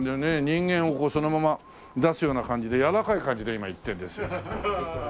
人間をそのまま出すような感じでやわらかい感じで今いってるんですよ。